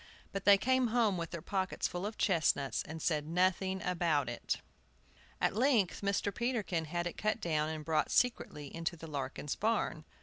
But they came home with their pockets full of chestnuts, and said nothing about it. At length Mr. Peterkin had it cut down and brought secretly into the Larkin's barn.